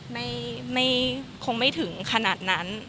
ไม่คงไม่ถึงขนาดนั้น